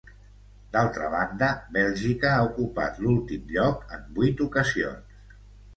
D'altra banda, Bèlgica ha ocupat l'últim lloc en vuit ocasions.